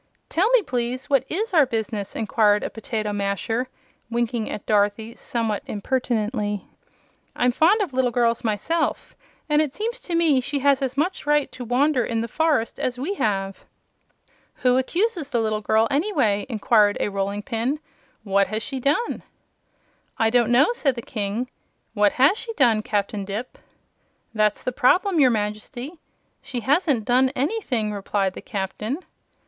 "Tell me, please, what IS our business?" inquired a potato masher, winking at Dorothy somewhat impertinently. "I'm fond of little girls, myself, and it seems to me she has as much right to wander in the forest as we have." "Who accuses the little girl, anyway?" inquired a rolling pin. "What has she done?" "I don't know," said the King. "What has she done, Captain Dipp?" "That's the trouble, your Majesty. She hasn't done anything," replied the Captain.